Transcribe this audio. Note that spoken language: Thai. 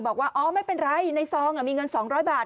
บอกว่าอ๋อไม่เป็นไรในซองมีเงิน๒๐๐บาท